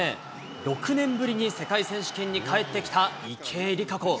６年ぶりに世界選手権に帰ってきた池江璃花子。